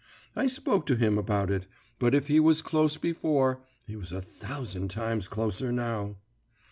I spoke to him about it, but if he was close before, he was a thousand times closer now.